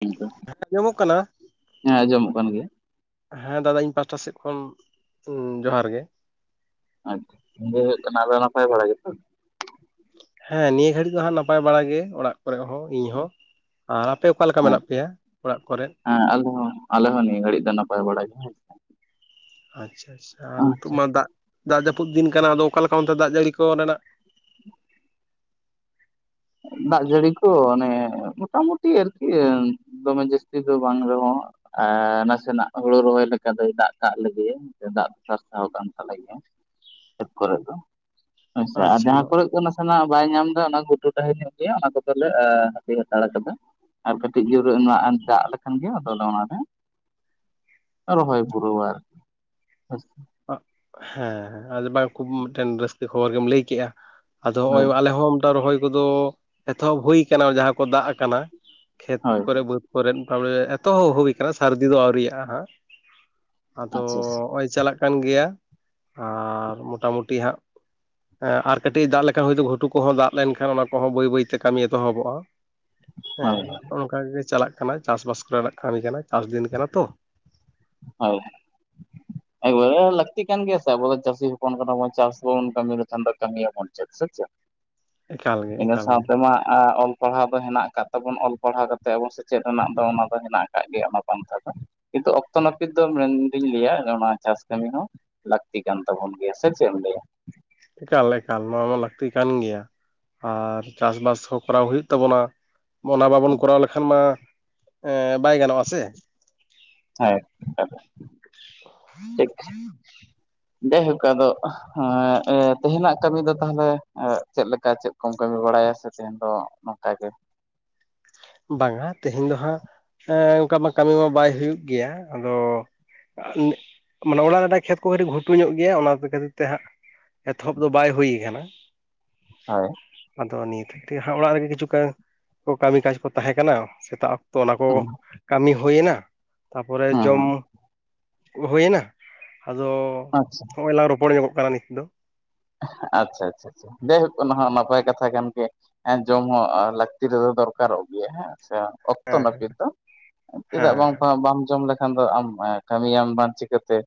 ᱦᱮᱸ ᱟ [unintelligible] ᱡᱚᱢᱚᱜ ᱠᱟᱱᱟ ᱟᱸᱡᱚᱢᱚᱜ ᱠᱟᱱ ᱜᱮᱭᱟ ᱦᱮᱸ ᱫᱟᱫᱟ ᱤᱧ ᱯᱟᱥᱴᱟ ᱥᱮᱫ ᱠᱷᱚᱱ ᱡᱚᱦᱟᱨ ᱜᱮ ᱟᱪᱷᱟ ᱡᱮ ᱦᱩᱭᱩᱜ ᱠᱟᱱᱟ ᱟᱫᱚ ᱱᱟᱯᱟᱭ ᱵᱟᱲᱟ ᱜᱮ ᱛᱚ? ᱦᱮᱸ ᱱᱤᱭᱟᱹ ᱜᱷᱟᱹᱲᱤᱡ ᱫᱚ ᱦᱟᱸᱜ ᱱᱟᱯᱟᱭ ᱵᱟᱲᱟ ᱜᱮ ᱚᱲᱟᱜ ᱠᱚᱨᱮ ᱦᱚᱸ ᱤᱧ ᱦᱚᱸ ᱟᱨ ᱟᱯᱮ ᱚᱠᱟ ᱞᱮᱠᱟ ᱢᱮᱱᱟᱜ ᱯᱮᱭᱟ ᱚᱲᱟᱜ ᱠᱚᱨᱮ? ᱟᱸ ᱟᱞᱮ ᱦᱚᱸ ᱟᱞᱮ ᱦᱚᱸ ᱱᱤᱭᱟᱹ ᱜᱷᱟᱹᱲᱤᱡ ᱫᱚ ᱱᱟᱯᱟᱭ ᱵᱟᱲᱟ ᱜᱮ ᱦᱮᱸ, ᱟᱪᱪᱷᱟ-ᱟᱪᱪᱷᱟ ᱟᱨ ᱱᱤᱛᱳᱜ ᱟᱪᱪᱷᱟ ᱢᱟ ᱫᱟᱜ, ᱫᱟᱜ ᱡᱟᱹᱯᱩᱫ ᱫᱤᱱ ᱠᱟᱱᱟ ᱟᱫᱚ ᱚᱠᱟᱞᱮ ᱚᱱᱛᱮ ᱫᱟᱜ ᱡᱟᱹᱲᱤ ᱠᱚ ᱨᱮᱱᱟᱜ? ᱫᱟᱜ ᱡᱟᱹᱲᱤ ᱠᱚ ᱟᱱᱮ ᱢᱳᱚᱴᱟᱢᱩᱴᱤ ᱟᱨᱠᱤᱼᱼ ᱫᱚᱢᱮ ᱡᱟᱹᱥᱛᱤ ᱫᱚ ᱵᱟᱝ ᱨᱮᱦᱚᱸ ᱟᱸ ᱱᱟᱥᱮᱱᱟᱜ ᱦᱩᱲᱩ ᱨᱚᱦᱚᱭ ᱞᱮᱠᱟ ᱫᱚᱭ ᱫᱟᱜ ᱠᱟᱜ ᱞᱮᱜᱮᱭᱟ᱾ ᱫᱟᱜ ᱥᱟᱨᱥᱟᱣ ᱠᱟᱱ ᱛᱟᱞᱮ ᱜᱮᱭᱟ ᱠᱷᱮᱛ ᱠᱚᱨᱮ ᱫᱚ, ᱦᱮᱸ ᱥᱮ ᱟᱨ ᱟᱪᱪᱷᱟ ᱡᱟᱦᱟᱸ ᱠᱚᱨᱮᱜ ᱱᱚᱣᱟ ᱫᱚ ᱱᱟᱥᱮᱱᱟᱜ ᱵᱟᱭ ᱧᱟᱢ ᱮᱫᱟ ᱚᱱᱟ ᱜᱷᱩᱴᱼᱼ ᱜᱩᱢᱩ ᱰᱟᱹᱦᱤ ᱧᱚᱜ ᱜᱮᱭᱟ ᱚᱱᱟ ᱠᱚᱫᱚᱞᱮ ᱮᱸ ᱦᱟᱯᱮ ᱦᱟᱛᱟᱲ ᱠᱟᱫᱟ, ᱟᱨ ᱠᱟᱹᱴᱤᱡ ᱡᱳᱨ ᱧᱚᱜ ᱫᱟᱜ ᱞᱮᱠᱷᱟᱱ ᱜᱮ ᱟᱫᱚ ᱞᱮ ᱚᱱᱟᱞᱮᱼᱼ ᱨᱚᱦᱚᱭ ᱯᱩᱨᱟᱹᱣᱟ ᱟᱨᱠᱤ ᱦᱳᱭ ᱥᱮ, ᱦᱮᱸ ᱟᱫᱚ ᱵᱟᱝ ᱠᱷᱩᱵ ᱢᱤᱫᱴᱮᱱ ᱨᱟᱹᱥᱠᱟᱹ ᱠᱷᱚᱵᱚᱨ ᱜᱮᱢ ᱞᱟᱹᱭ ᱠᱮᱜ-ᱟ᱾ ᱟᱫᱚ ᱦᱚᱸᱜ-ᱚᱭ ᱦᱳᱭ ᱟᱞᱮ ᱦᱚᱸ ᱢᱤᱫᱴᱟᱝ ᱨᱚᱦᱚᱭ ᱠᱚᱫᱚ ᱮᱛᱚᱦᱚᱵ ᱦᱩᱭ ᱠᱟᱱᱟ ᱡᱟᱦᱟᱸ ᱠᱚᱫᱚ ᱫᱟᱜ ᱠᱟᱱᱟ, ᱠᱷᱮᱛ ᱦᱳᱭ ᱠᱚᱨᱮ ᱵᱟᱹᱫᱽ ᱠᱚᱨᱮᱜ ᱛᱟᱨᱯᱚᱨᱮ ᱮᱛᱚᱦ ᱦᱩᱭ ᱠᱟᱱᱟ ᱥᱟᱹᱨᱫᱤ ᱫᱚ ᱟᱹᱣᱨᱤᱭᱟ-ᱜ ᱟᱸ ᱦᱟᱸᱜ, ᱟᱫᱚ ᱟᱪᱪᱷᱟ ᱟᱪᱪᱷᱟ ᱦᱚᱸᱜ-ᱚᱭ ᱪᱟᱞᱟᱜ ᱠᱟᱱ ᱜᱮᱭᱟ, ᱟᱨ ᱢᱚᱴᱟ-ᱢᱩᱴᱤ ᱦᱟᱸᱜᱼᱼ ᱮᱸ ᱟᱨ ᱠᱟᱹᱴᱤᱡ-ᱮ ᱫᱟᱜ ᱞᱮᱠᱷᱟᱱ ᱦᱳᱭᱛᱳ ᱜᱷᱩᱴᱩ ᱠᱚᱦᱚᱸ ᱫᱟᱜ ᱞᱮᱱᱠᱷᱟᱱ ᱚᱱᱟ ᱠᱚᱦᱚᱸ ᱵᱟᱹᱭ ᱵᱟᱹᱭᱛᱮ ᱠᱟᱹᱢᱤ ᱮᱛᱚᱦᱚᱵᱚᱜ-ᱟ, ᱦᱮᱸ ᱦᱳᱭ ᱚᱱᱠᱟ ᱜᱮ ᱪᱟᱞᱟᱜ ᱠᱟᱱᱟ ᱪᱟᱥ-ᱵᱟᱥ ᱠᱚᱨᱮᱱᱟᱜ ᱠᱟᱹᱢᱤ ᱠᱟᱱᱟ ᱪᱟᱥ ᱫᱤᱱ ᱠᱟᱱᱟ ᱛᱚ, ᱦᱳᱭ ᱮᱠᱵᱟᱨᱮ ᱞᱟᱹᱠᱛᱤ ᱠᱟᱱ ᱜᱮᱭᱟ ᱥᱮ ᱟᱵᱚ ᱫᱚ ᱪᱟᱹᱥᱤ ᱦᱚᱯᱚᱱ ᱠᱟᱱᱟᱵᱚᱱ ᱪᱟᱥ ᱵᱟᱵᱚᱱ ᱠᱟᱹᱢᱤ ᱞᱮᱠᱷᱟᱱ ᱠᱟᱹᱢᱤᱭᱟᱵᱚᱱ ᱪᱮᱫ ᱥᱮ ᱪᱮᱫ? ᱮᱠᱟᱞ ᱜᱮ ᱤᱱᱟᱹ ᱮᱠᱟᱞ ᱜᱮ ᱥᱟᱸᱣ ᱛᱮᱢᱟ ᱟᱸ ᱚᱞᱼᱼ ᱯᱟᱲᱦᱟᱣ ᱫᱚ ᱦᱮᱱᱟᱜ ᱠᱟᱫ ᱛᱟᱵᱚᱱ ᱚᱞ ᱯᱟᱲᱦᱟᱣ ᱠᱟᱛᱮᱜ ᱟᱵᱚ ᱥᱮᱪᱮᱫ ᱨᱮᱱᱟᱜ ᱫᱚ ᱚᱱᱟ ᱫᱚ ᱦᱮᱱᱟᱜ ᱟᱠᱟᱼᱼ ᱠᱟᱜ ᱜᱮᱭᱟ ᱚᱱᱟ ᱯᱛᱱᱷᱟ ᱫᱚ ᱠᱤᱱᱛᱩ ᱚᱠᱼᱼ ᱚᱠᱛᱚ ᱱᱟᱹᱯᱤᱛ ᱫᱚ ᱢᱮᱱᱫᱚᱧ ᱞᱟᱹᱭᱟ ᱚᱱᱟ ᱪᱟᱥ ᱠᱟᱹᱢᱤ ᱦᱚᱸ ᱞᱟᱹᱠᱛᱤ ᱠᱟᱱ ᱛᱟᱵᱚᱱ ᱜᱮᱭᱟ ᱥᱮ ᱪᱮᱫ ᱮᱢ ᱞᱟᱹᱭᱟ? ᱮᱠᱟᱞ-ᱮᱠᱟᱞ ᱱᱚᱣᱟ ᱢᱟ ᱞᱟᱹᱠᱛᱤ ᱠᱟᱱ ᱜᱮᱭᱟ, ᱟᱨ ᱪᱟᱥ-ᱵᱟᱥ ᱦᱚᱸ ᱠᱚᱨᱟᱣ ᱦᱩᱭᱩᱜ ᱛᱟᱵᱚᱱᱟ, ᱚᱱᱟ ᱵᱟᱵᱚᱱ ᱠᱚᱨᱟᱣ ᱞᱮᱠᱷᱟᱱ ᱢᱟ ᱮᱸ ᱵᱟᱭ ᱜᱟᱱᱚᱜ-ᱟ ᱥᱮ, ᱦᱮᱸ ᱴᱷᱤᱠ ᱠᱟᱛᱷᱟ ᱴᱷᱤᱠᱼᱼ ᱡᱟᱭᱦᱳᱠ ᱟᱫᱚ ᱛᱮᱦᱮᱸᱧᱱᱟᱜ ᱠᱟᱹᱢᱤ ᱫᱚ ᱛᱟᱦᱚᱞᱮ ᱪᱮᱫ ᱞᱮᱠᱟ ᱪᱮᱫ ᱠᱚᱢ ᱠᱟᱹᱢᱤ ᱵᱟᱲᱟᱭᱟ ᱥᱮᱼᱼ ᱛᱮᱦᱮᱧ ᱫᱚ ᱱᱚᱝᱠᱟ ᱜᱮ, ᱵᱟᱝᱟ ᱛᱮᱦᱮᱸᱧ ᱫᱚ ᱦᱟᱸᱜ ᱚᱱᱠᱟ ᱢᱟ ᱠᱟᱹᱢᱤ ᱵᱟᱭ ᱦᱩᱭᱩᱜ ᱜᱮᱭᱟ, ᱟᱫᱚᱼᱼ ᱢᱟᱱᱮ, ᱚᱱᱟᱜ ᱨᱮᱱᱟᱜ ᱠᱷᱮᱛ ᱠᱚ ᱠᱟᱹᱴᱤᱡ ᱜᱷᱩᱴᱩ ᱧᱚᱜ ᱜᱮᱭᱟ ᱚᱱᱟ ᱠᱚ ᱠᱷᱟᱹᱛᱤᱨ ᱛᱮ ᱦᱟᱸᱜᱼᱼ ᱮᱛᱚᱦᱚᱵ ᱫᱚ ᱵᱟᱭ ᱦᱩᱭ ᱠᱟᱱᱟ, ᱦᱳᱭ ᱟᱫᱚ ᱱᱤᱛ ᱛᱮ ᱦᱟᱸᱜ ᱚᱲᱟᱜ ᱨᱮᱜᱮ ᱠᱤᱪᱷᱩ ᱠᱟᱹᱢᱤ ᱠᱟᱡ ᱠᱚ ᱛᱟᱦᱮᱸ ᱠᱟᱱᱟ ᱥᱮᱛᱟᱜ ᱚᱠᱼᱼ ᱛᱚ ᱚᱱᱟ ᱠᱚ ᱦᱩᱸ ᱠᱟᱢᱤ ᱦᱳᱭᱮᱱᱟ ᱛᱟᱯᱚᱨᱮ ᱡᱚᱢ, ᱦᱩᱸ ᱦᱩᱭᱮᱱᱟ ᱟᱫᱚ ᱟᱪᱪᱷᱟ ᱦᱚᱸᱜ-ᱚᱭ ᱞᱟᱝ ᱨᱚᱯᱚᱲ ᱧᱚᱜᱚᱜ ᱠᱟᱱᱟ ᱱᱤᱛ ᱫᱚ, ᱟᱪᱪᱷᱟ-ᱟᱪᱪᱷᱟ ᱡᱟᱭᱦᱳᱠ ᱚᱱᱟ ᱦᱚᱸ ᱱᱟᱯᱟᱭ ᱠᱟᱛᱷᱟ ᱠᱟᱱ ᱜᱮ, ᱦᱮᱸ ᱡᱚᱢ ᱦᱚᱸ ᱞᱟᱠᱛᱤ ᱨᱮᱫᱚ ᱫᱚᱨᱠᱟᱨᱚᱜ ᱜᱮᱭᱟ ᱦᱮᱸᱜ ᱥᱮᱼᱼ ᱚᱠᱛᱚ ᱱᱟᱹᱯᱤᱛ ᱫᱚ ᱪᱮᱫᱟᱜ ᱦᱮᱸ ᱵᱟᱝ ᱵᱟᱢ ᱡᱚᱢ ᱞᱮᱠᱼᱼ ᱠᱷᱟᱱ ᱫᱚ ᱟᱢ ᱠᱟᱹᱢᱤᱭᱟᱢ ᱵᱟᱝ ᱪᱤᱠᱟᱹᱛᱮ,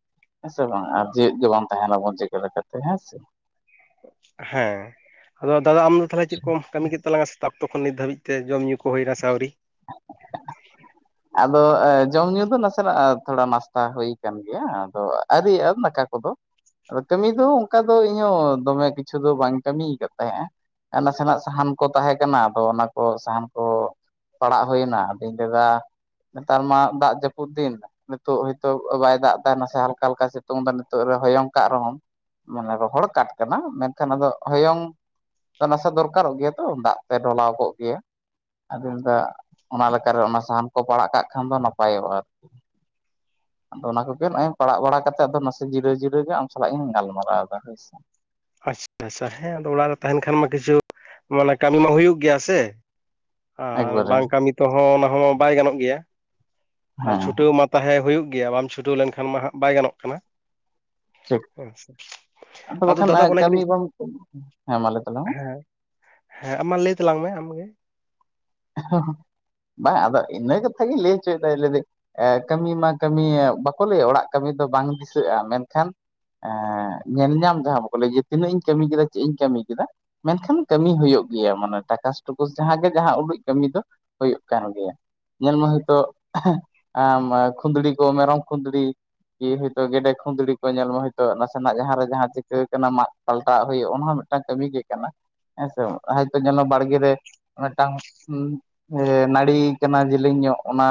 ᱦᱮᱸ ᱥᱮ ᱵᱟᱝ, ᱟᱨ ᱡᱮᱣᱮᱹᱫ ᱫᱚ ᱵᱟᱢ ᱛᱟᱦᱮᱸᱱᱟ ᱵᱚᱱ ᱪᱤᱠᱟᱹ ᱞᱮᱠᱟᱛᱮ ᱦᱮᱸ ᱥᱮᱼᱼ ᱦᱮᱸ ᱟᱫᱚ ᱫᱟᱫᱟ ᱟᱢ ᱫᱚ ᱛᱟᱦᱚᱞᱮ ᱪᱮᱫ ᱠᱚᱢ ᱠᱟᱹᱢᱤ ᱠᱮᱫ ᱛᱟᱞᱟᱝᱟ? ᱛᱟᱵ ᱛᱚ ᱠᱷᱚᱱ ᱱᱤᱛ ᱫᱷᱟᱹᱵᱤᱡ ᱛᱮ ᱡᱚᱢ ᱧᱩ ᱠᱚ ᱦᱩᱭ ᱮᱱᱟ ᱥᱮ ᱟᱹᱣᱨᱤ? [inaudible] ᱟᱫᱚ ᱮᱸ ᱡᱚᱢ ᱧᱩ ᱫᱚ ᱱᱟᱥᱮᱱᱟᱜ ᱛᱷᱚᱲᱟ ᱱᱟᱥᱛᱟ ᱦᱩᱭ ᱠᱟᱱ ᱜᱮᱭᱟ ᱟᱫᱚ ᱟᱹᱣᱨᱤᱭᱟᱜ-ᱟ ᱫᱟᱠᱟ ᱠᱚᱫᱚ, ᱟᱫᱚ ᱠᱟᱹᱢᱤ ᱫᱚ ᱚᱱᱠᱟ ᱫᱚ ᱤᱧᱦᱚᱸ ᱫᱚᱢᱮ ᱠᱤᱪᱷᱩ ᱫᱚ ᱵᱟᱹᱧ ᱠᱟᱹᱢᱤ ᱠᱟᱫ ᱛᱟᱦᱮᱸᱜ-ᱟ, ᱟᱨ ᱱᱟᱥᱮᱱᱟᱜ ᱥᱟᱦᱟᱱ ᱠᱚ ᱛᱟᱦᱮᱸ ᱠᱟᱱᱟ ᱟᱫᱚ ᱚᱱᱟ ᱠᱚ ᱥᱟᱦᱟᱱ ᱠᱚᱼᱼ ᱯᱟᱲᱟᱜ ᱦᱩᱭ ᱮᱱᱟ ᱟᱫᱚᱧ ᱞᱟᱹᱭᱫᱟ ᱱᱮᱛᱟᱨ ᱢᱟ ᱫᱟᱜ ᱡᱟᱹᱯᱩᱫ ᱫᱤᱱᱼᱼ ᱱᱤᱛᱚᱜ ᱱᱤᱛᱚᱜ, ᱵᱟᱭ ᱫᱟᱜ ᱮᱫᱟ, ᱱᱟᱥᱮ ᱦᱟᱞᱠᱟ ᱦᱟᱞᱠᱟ, ᱥᱤᱛᱩᱝ ᱮᱫᱟ, ᱱᱤᱛᱚᱜ ᱨᱮ ᱦᱚᱭᱚᱝ ᱠᱟᱜ ᱨᱮᱦᱚᱸᱢ ᱢᱟᱱᱮ, ᱨᱚᱦᱚᱲ ᱠᱟᱴ ᱠᱟᱱᱟ, ᱢᱮᱱᱠᱷᱟᱱ ᱟᱫᱚ, ᱦᱚᱭᱚᱝ ᱱᱟᱥᱮ, ᱫᱚᱨᱠᱟᱨᱚᱜ ᱜᱮᱭᱟ ᱛᱚ, ᱫᱟᱜ ᱛᱮ, ᱰᱚᱞᱟᱣ ᱠᱚᱜ ᱜᱮᱭᱟ ᱾ ᱟᱫᱚᱧ ᱫᱟ, ᱚᱱᱟ ᱞᱮᱠᱟ ᱨᱮ, ᱚᱱᱟ ᱥᱟᱦᱟᱱ ᱠᱚ, ᱯᱟᱲᱟᱜ ᱠᱟᱜ ᱠᱷᱟᱱ ᱫᱚ, ᱱᱟᱯᱟᱭᱚᱜᱼᱟ ᱾ [inaudible] ᱟᱫᱚ, ᱚᱱᱟ ᱠᱚᱜᱮ ᱱᱚᱜᱼᱚᱭ, ᱯᱟᱲᱟᱜ ᱵᱟᱲᱟ ᱠᱟᱛᱮ, ᱟᱫᱚ ᱱᱟᱥᱮ ᱡᱤᱨᱟᱹᱣ ᱡᱤᱨᱟᱹᱣ ᱜᱮ, ᱟᱢ ᱥᱟᱞᱟᱜ ᱤᱧ, ᱜᱟᱞᱢᱟᱨᱟᱣ ᱮᱫᱟ, ᱦᱳᱭ ᱥᱮ ᱾ ᱟᱪᱪᱷᱟ [unintelligible] ᱟᱪᱪᱷᱟ ᱦᱮᱸ ᱟᱫᱚ, ᱚᱲᱟᱜ ᱨᱮ ᱛᱟᱦᱮᱱ ᱠᱷᱟᱱ ᱢᱟ, ᱠᱤᱪᱷᱩ, ᱢᱟᱱᱮ ᱠᱟᱢᱤ ᱢᱟ, ᱦᱩᱭᱩᱜ ᱜᱮᱭᱟ ᱥᱮ ᱾ ᱟᱨ, ᱮᱠᱵᱟᱨᱮ ᱵᱟᱝ ᱠᱟᱢᱤ ᱛᱮᱦᱚᱸ, ᱚᱱᱟ ᱦᱚᱸ, ᱵᱟᱭ ᱜᱟᱱᱚᱜ ᱜᱮᱭᱟ ᱾ ᱟᱨ, ᱦᱮᱸ ᱪᱷᱩᱴᱟᱹᱣ ᱢᱟ ᱛᱟᱦᱮᱸ ᱦᱩᱭᱩᱜ ᱜᱮᱭᱟ, ᱵᱟᱢ ᱪᱷᱩᱴᱟᱹᱣ ᱞᱮᱱᱠᱷᱟᱱ ᱢᱟ ᱦᱟᱸᱜ, ᱵᱟᱭ ᱜᱟᱱᱚᱜ ᱠᱟᱱᱟ ᱾ ᱪᱷᱤᱠ, ᱟᱫᱚ ᱵᱟᱠᱷᱟᱱ, ᱫᱟᱫᱟ ᱟᱭ ᱚᱱᱮ ᱠᱟᱢᱤ ᱠᱟᱹᱴᱤᱡ ᱜᱚᱢᱠᱮ, ᱦᱮᱸᱢᱟ, ᱞᱟᱹᱭ ᱛᱟᱞᱟᱝ ᱢᱮ ᱾ ᱦᱮᱸ ᱦᱮᱸ, ᱟᱢ ᱢᱟ ᱞᱟᱹᱭ ᱛᱟᱞᱟᱝ ᱢᱮ, ᱟᱢᱜᱮ ᱾ ᱦᱚᱸ ᱦᱚᱸ [inaudible] ᱵᱟᱝᱟ ᱟᱫᱚ, ᱤᱱᱟᱹ ᱠᱟᱛᱷᱟ ᱜᱤᱧ ᱞᱟᱹᱭ ᱚᱪᱚᱭᱮᱫᱟ ᱦᱤ [unintelligible] ᱞᱮᱫᱟ ᱾ ᱮ ᱠᱟᱹᱢᱤ ᱢᱟ, ᱠᱟᱹᱢᱤ, ᱵᱟᱠᱚ ᱞᱟᱹᱭᱟ, ᱚᱲᱟᱜ ᱠᱟᱹᱢᱤ ᱫᱚ, ᱵᱟᱝ ᱫᱤᱥᱟᱹᱜᱼᱟ, ᱢᱮᱱᱠᱷᱟᱱ ᱮᱸᱻ, ᱧᱮᱞ ᱧᱟᱢ ᱡᱟᱦᱟᱸ, ᱵᱟᱠᱚ ᱞᱟᱹᱭ, ᱡᱮ ᱛᱤᱱᱟᱹᱜ ᱤᱧ ᱠᱟᱹᱢᱤ ᱠᱮᱫᱟ, ᱪᱮᱫ ᱤᱧ ᱠᱟᱹᱢᱤ ᱠᱮᱫᱟ ᱾ ᱢᱮᱱᱠᱷᱟᱱ, ᱠᱟᱹᱢᱤ ᱦᱩᱭᱩᱜ ᱜᱮᱭᱟ ᱾ ᱢᱟᱱᱮ, ᱴᱟᱠᱟᱥ ᱴᱩᱠᱩᱥ, ᱡᱟᱸᱦᱟᱸ ᱜᱮ, ᱡᱟᱸᱦᱟᱸ ᱩᱰᱩᱡ, ᱠᱟᱹᱢᱤ ᱫᱚ, ᱦᱳᱭᱳᱜ ᱠᱟᱱ ᱜᱮᱭᱟ ᱾ ᱧᱮᱞᱢᱮ ᱦᱳᱭ ᱛᱚ, ᱠᱷᱮᱼᱦᱮᱸᱜ ᱠᱷᱩᱸᱫᱽᱲᱤ ᱠᱚ, ᱢᱮᱨᱚᱢ ᱠᱷᱩᱸᱫᱽᱲᱤ ᱠᱤ ᱦᱳᱭ ᱛᱚ, ᱜᱮᱰᱮ ᱠᱷᱩᱸᱫᱽᱲᱤ ᱠᱚ, ᱧᱮᱞ ᱢᱮ ᱦᱳᱭ ᱛᱚ, ᱱᱟᱥᱮᱱᱟᱜ ᱡᱟᱸᱦᱟᱸ ᱨᱮ, ᱡᱟᱸᱦᱟᱸ ᱪᱤᱠᱟᱹᱣ ᱠᱟᱱᱟ ᱾ ᱢᱟᱸᱜ ᱯᱟᱞᱴᱟᱣ ᱦᱩᱭᱩᱜ, ᱚᱱᱟ ᱦᱚᱸ ᱢᱤᱫᱴᱟᱱ ᱠᱟᱹᱢᱤ ᱜᱮ ᱠᱟᱱᱟ ᱾ ᱦᱮᱸᱥᱮ ᱵᱟᱝ? ᱦᱚᱭ ᱛᱳ, ᱧᱮᱞ ᱢᱮ ᱵᱟᱲᱜᱮ ᱨᱮ, ᱢᱤᱫᱴᱟᱝ ᱦᱩᱸ, ᱮᱻ ᱱᱟᱹᱲᱤᱭ ᱠᱟᱱᱟ ᱡᱮᱞᱤᱧ ᱧᱚᱜ, ᱚᱱᱟ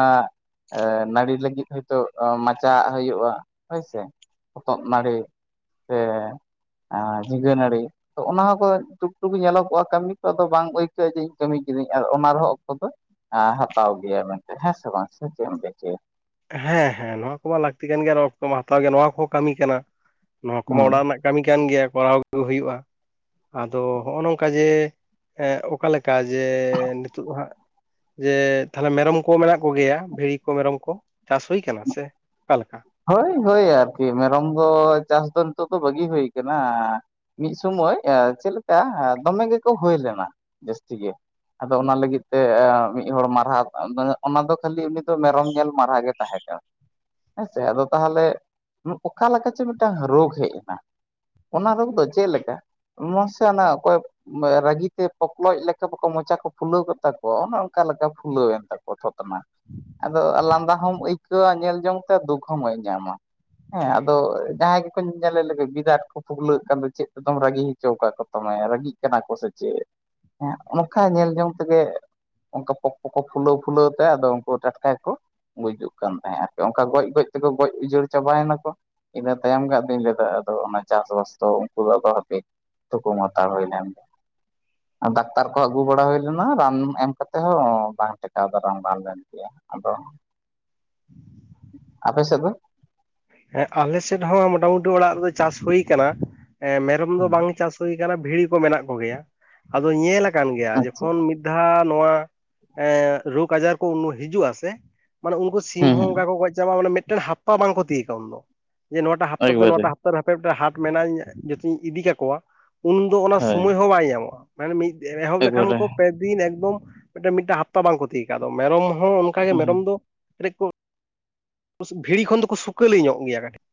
ᱮᱻ ᱱᱟᱲᱤ ᱞᱟᱹᱜᱤᱫ ᱦᱳᱭ ᱛᱚ, ᱢᱟᱪᱟᱜ ᱦᱩᱭᱩᱜᱼᱟ, ᱦᱳᱭ ᱥᱮ ᱾ ᱦᱚᱛᱚᱫ ᱱᱟᱹᱲᱤ, ᱥᱮ, ᱮᱸᱼ ᱡᱷᱤᱸᱜᱟᱹ ᱱᱟᱹᱲᱤ ᱾ ᱛᱚ, ᱚᱱᱟ ᱦᱚᱸᱠᱚ, ᱴᱩᱠᱴᱩᱠ ᱧᱮᱞᱚᱜᱚᱜᱼᱟ, ᱠᱟᱹᱢᱤ ᱠᱚ, ᱟᱫᱚ ᱵᱟᱝ ᱟᱹᱭᱠᱟᱹᱜᱼᱟ, ᱡᱮ ᱤᱧ ᱠᱟᱹᱢᱤ ᱠᱤᱫᱟᱹᱧ ᱾᱾ ᱟᱨ, ᱚᱱᱟ ᱨᱮᱦᱚᱸ ᱚᱠᱛᱚ ᱫᱚ ᱦᱟᱛᱟᱣ ᱜᱮᱭᱟ, ᱢᱮᱱᱛᱮ ᱦᱮᱸ ᱥᱮ ᱵᱟᱝ?. ᱥᱮ ᱪᱮᱫ ᱮᱢ ᱞᱟᱹᱭ ᱚᱪᱚᱭᱟ? ᱦᱮᱸ ᱦᱮᱸ, ᱱᱚᱶᱟ ᱠᱚᱢᱟ ᱞᱟᱠᱛᱤ ᱠᱟᱱ ᱜᱮᱭᱟ, ᱚᱠᱛᱚ ᱢᱟ ᱦᱟᱛᱟᱣ ᱜᱮᱭᱟ, ᱱᱚᱣᱟ ᱠᱚᱦᱚᱸ ᱠᱟᱹᱢᱤ ᱠᱟᱱᱟ, ᱱᱚᱣᱟ ᱠᱚᱢᱟ ᱦᱮᱸ ᱚᱱᱟ ᱨᱮᱱᱟᱜ ᱾ ᱠᱟᱹᱢᱤ ᱠᱟᱱ ᱜᱮᱭᱟ, ᱠᱚᱨᱟᱣ ᱜᱮ ᱦᱩᱭᱩᱜᱼᱟ, ᱟᱫᱚ ᱦᱚᱸᱜᱼᱚᱸ ᱱᱚᱝᱠᱟ ᱡᱮ, ᱚᱠᱟ ᱞᱮᱠᱟ ᱠᱟ, ᱡᱮ ᱱᱤᱛᱳᱜ ᱫᱚ ᱦᱟᱸᱜ ᱡᱮ, ᱛᱟᱦᱞᱮ ᱢᱮᱨᱚᱢ ᱠᱚ, ᱢᱮᱱᱟᱜ ᱠᱚ ᱜᱮᱭᱟ, ᱵᱷᱤᱲᱤ ᱠᱚ, ᱢᱮᱨᱚᱢ ᱠᱚ, ᱪᱟᱥ ᱦᱩᱭ ᱟᱠᱟᱱᱟ ᱥᱮ, ᱚᱠᱟ ᱞᱮᱠᱟ? ᱦᱳᱭ ᱦᱳᱭ, ᱟᱨ ᱠᱤ ᱢᱮᱨᱚᱢ ᱫᱚ, ᱪᱟᱥ ᱫᱚ, ᱱᱤᱛᱚᱜ ᱫᱚ, ᱵᱟᱹᱜᱤ ᱦᱩᱭ ᱠᱟᱱᱟ ᱾ ᱢᱤᱫ ᱥᱩᱢᱚᱭ ᱮ ᱪᱮᱫ ᱞᱮᱠᱟ, ᱫᱚᱢᱮ ᱜᱮᱠᱚ ᱦᱩᱭ ᱞᱮᱱᱟ, ᱡᱟᱹᱥᱛᱤ ᱜᱮ ᱾ ᱟᱫᱚ, ᱚᱱᱟ ᱞᱟᱹᱜᱤᱫ ᱛᱮ, ᱢᱤᱫ ᱦᱚᱲ ᱢᱟᱨᱦᱟ, ᱚᱱᱟ ᱫᱚ ᱠᱷᱟᱹᱞᱤ, ᱩᱱᱤ ᱫᱚ ᱢᱮᱨᱚᱢ ᱧᱮᱞ, ᱢᱟᱨᱦᱟ ᱜᱮ ᱛᱟᱦᱮᱸ ᱠᱟᱱ ᱾ ᱦᱮᱸᱥᱮ, ᱟᱫᱚ ᱛᱟᱦᱞᱮ, ᱚᱠᱟ ᱞᱮᱠᱟ ᱪᱚ, ᱢᱤᱫᱴᱟᱝ ᱨᱳᱜᱽ ᱦᱮᱡ ᱮᱱᱟ ᱾ ᱚᱱᱟ ᱨᱳᱜᱽ ᱫᱚ, ᱪᱮᱫ ᱞᱮᱠᱟ? ᱢᱚᱥᱮ ᱚᱱᱟ ᱚᱠᱚᱭ ᱨᱟᱹᱜᱤ ᱛᱮ, ᱯᱚᱠᱞᱚᱡ ᱞᱮᱠᱟ, ᱵᱟᱠᱚ ᱢᱚᱪᱟ ᱠᱚ, ᱯᱷᱩᱞᱟᱹᱣ ᱠᱮᱫ ᱛᱟᱠᱚᱣᱟ ᱾ ᱚᱱᱮ ᱚᱱᱠᱟ ᱞᱮᱠᱟ, ᱯᱷᱩᱞᱟᱹᱣ ᱮᱱ ᱛᱟᱠᱚᱣᱟ ᱾ ᱛᱷᱚᱛᱼᱱᱟ ᱾ ᱟᱫᱚ, ᱞᱟᱸᱫᱟ ᱦᱚᱢ ᱟᱹᱭᱠᱟᱹᱣᱟ, ᱧᱮᱞ ᱡᱚᱝ ᱥᱮ, ᱫᱩᱠᱷ ᱦᱚᱸᱵᱟ. ᱧ ᱧᱟᱢᱟ, ᱦᱮᱸᱟᱫᱚ, ᱡᱟᱦᱟᱸᱭ ᱜᱮᱠᱚ, ᱧᱮᱞᱮ ᱞᱮᱠᱚ ᱜᱤᱫᱟ. ᱨ ᱠᱚ ᱾ ᱯᱷᱩᱜᱽᱞᱟᱹᱜ ᱠᱟᱱ ᱫᱚ, ᱪᱮᱫ ᱛᱮᱫᱚᱢ ᱨᱟᱹᱜᱤ ᱦᱚᱪᱚ, ᱟᱠᱟᱫ ᱠᱚ, ᱛᱟᱢᱟ ᱾ ᱨᱟᱹᱜᱤᱜ ᱠᱟᱱᱟ ᱠᱚ, ᱥᱮ ᱪᱮᱫ? ᱦᱮᱸ, ᱚᱱᱠᱟ ᱧᱮᱞ ᱡᱚᱝ ᱛᱮᱜᱮ ᱚᱱᱠᱟ, ᱯᱚᱠ ᱯᱚᱠᱚ, ᱯᱷᱩᱞᱟᱹᱣ ᱯᱷᱩᱞᱟᱹᱣ ᱛᱮ, ᱟᱫᱚ ᱩᱱᱠᱩ ᱴᱟᱴᱠᱟ ᱜᱮᱠᱚ, ᱜᱩᱡᱩᱜ ᱠᱟᱱ ᱛᱟᱦᱮᱸᱫ ᱟᱠᱚ ᱾ ᱚᱱᱠᱟ, ᱜᱚᱡ ᱜᱚᱡ ᱛᱮᱠᱚ, ᱜᱚᱡ ᱩᱡᱟᱹᱲ ᱪᱟᱵᱟ ᱭᱮᱱᱟ ᱠᱚ ᱾ ᱤᱱᱟᱹ, ᱛᱟᱭᱚᱢ ᱜᱮ, ᱟᱫᱩᱧ ᱞᱟᱹᱭ ᱮᱫᱟ, ᱟᱫᱚ ᱚᱱᱟ, ᱪᱟᱥᱵᱟᱥ ᱫᱚ, ᱩᱱᱠᱩ ᱫᱚ, ᱟᱫᱚ ᱦᱟᱯᱮ! ᱛᱷᱩᱠᱩᱢ ᱦᱟᱱᱛᱟᱲ ᱦᱩᱭ ᱞᱮᱱ ᱾ ᱰᱟᱠᱛᱟᱨ ᱠᱚ, ᱟᱹᱜᱩ ᱵᱟᱲᱟ ᱦᱩᱭ ᱞᱮᱱᱟ ᱾ ᱨᱟᱱ ᱮᱢ ᱠᱟᱛᱮᱜ ᱦᱚᱸ, ᱵᱟᱝ ᱴᱮᱠᱟᱣ ᱫᱟᱨᱟᱢ ᱨᱟᱱ ᱵᱟᱝ ᱜᱟᱱ ᱞᱮᱱᱟ ᱾ [unintelligible] [unintelligible] ᱟᱫᱚ, ᱟᱯᱮ ᱥᱮᱫ ᱫᱚ? ᱦᱮᱸ ᱟᱞᱮᱥᱮᱫ ᱦᱚᱸ ᱢᱚᱴᱟ ᱢᱩᱩᱴᱤ ᱚᱲᱟᱜ ᱨᱮᱫᱚ ᱪᱟᱥ ᱦᱩᱭᱩ ᱠᱟᱱᱟ, ᱮᱸ ᱢᱮᱨᱚᱢ ᱫᱚ ᱵᱟᱝᱞᱮ ᱪᱟᱥ ᱦᱩᱭ ᱠᱟᱱᱟ ᱵᱷᱤᱲᱤ ᱠᱚ ᱢᱮᱱᱟᱜ ᱠᱚᱜᱮᱭᱟ, ᱟᱫᱚ ᱧᱮᱞ ᱠᱟᱱ ᱜᱮᱭᱟ ᱟᱪᱪᱷᱟ ᱡᱚᱠᱷᱚᱱ ᱢᱤᱫ ᱫᱷᱟ ᱱᱚᱣᱟ ᱨᱳᱜ ᱟᱡᱟᱨ ᱠᱚ ᱦᱤᱡᱩᱜᱼᱟ ᱥᱮ ᱢᱟᱱᱮ ᱩᱱᱠᱩ ᱥᱤᱢ ᱦᱩᱸ ᱦᱚᱸ ᱦᱩᱸ ᱚᱝᱠᱟ ᱠᱚ ᱜᱚᱡ ᱪᱟᱵᱟᱜᱼᱟ, ᱢᱟᱱᱮ ᱢᱤᱫᱴᱮᱱ ᱦᱟᱯᱛᱟ ᱵᱟᱝᱠᱚ ᱛᱤᱭᱠᱟ ᱩᱱ ᱫᱚ ᱡᱮ ᱱᱚᱣᱟᱟ ᱦᱟᱯᱛᱟ ᱫᱚ ᱱᱚᱣᱟ ᱮᱠᱵᱟᱨᱮ ᱦᱟᱯ ᱠᱚᱨᱮ ᱦᱟᱯᱮ ᱢᱤᱫᱴᱮᱱ ᱦᱟᱴ ᱢᱮᱱᱟᱜ ᱤᱧ ᱡᱷᱚᱛᱚᱧ ᱤᱫᱤ ᱠᱟᱠᱚᱣᱟ ᱩᱱᱫᱚ ᱚᱱᱟ ᱦᱳᱭ ᱥᱳᱢᱚᱭ ᱦᱚᱸ ᱵᱟᱭ ᱧᱟᱢᱚᱜᱼᱟ᱾ ᱢᱟᱱᱮ ᱢᱤᱫ ᱮᱦᱚᱵ ᱞᱮᱠᱷᱟᱱ ᱮᱠᱵᱟᱨᱮ ᱠᱚ ᱯᱮᱫᱤᱱ ᱮᱠᱫᱚᱢ ᱢᱤᱫᱴᱟᱝ ᱦᱟᱯᱛᱟ ᱵᱟᱝ ᱠᱚ ᱛᱤᱭᱜ ᱟ ᱢᱮᱨᱚᱢ ᱦᱚᱸ ᱚᱱᱠᱟᱜᱮ ᱢᱮᱨᱚᱢ ᱫᱚ ᱠᱟᱹᱴᱤᱡ ᱠᱚ ᱵᱷᱤᱲᱤ ᱠᱷᱚᱱ ᱫᱚᱠᱚ ᱥᱩᱠᱟᱹᱞᱤ ᱧᱚᱜ ᱜᱮᱭᱟ ᱠᱟᱹᱴᱤᱡ᱾